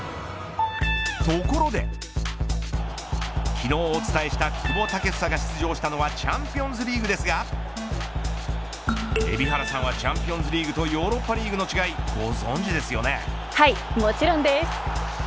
ところで昨日お伝えした久保建英が出場したのはチャンピオンズリーグですが海老原さんはチャンピオンズリーグとヨーロッパリーグの違いご存じですよね。